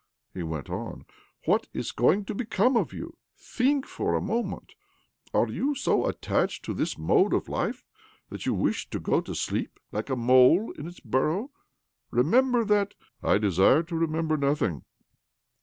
he went on. "What is going to become of you? Think for a moment. Are you so attached to this mode of life that you wish to go to sleep like a mole in its burrow ? Remeniber that "" I desire to remember nothing.